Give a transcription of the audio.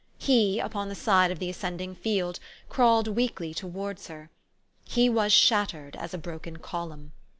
He, upon the side of the ascending field, crawled weakly towards her. He was shattered as a broken column.